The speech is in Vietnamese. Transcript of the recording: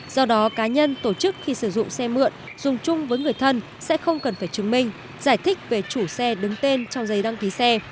do đó cá nhân tổ chức khi sử dụng xe mượn dùng chung với người thân sẽ không cần phải chứng minh giải thích về chủ xe đứng tên trong giấy đăng ký xe